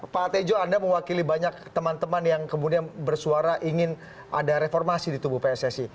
pak tejo anda mewakili banyak teman teman yang kemudian bersuara ingin ada reformasi di tubuh pssi